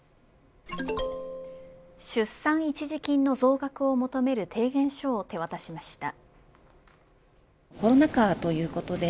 出産一時金の増額を求める提言書を手渡しました。